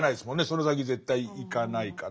その先絶対行かないから。